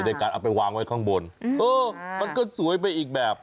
ในการเอาไปวางไว้ข้างบนเออมันก็สวยไปอีกแบบ